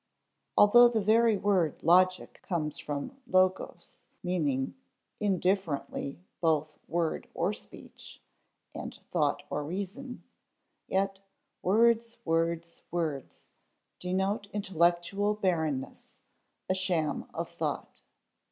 Although the very word logic comes from logos ([Greek: logos]), meaning indifferently both word or speech, and thought or reason, yet "words, words, words" denote intellectual barrenness, a sham of thought.